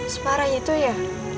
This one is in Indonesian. separah itu ya